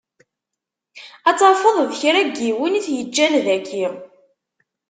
Ad tafeḍ d kra n yiwen i t-yeǧǧan daki.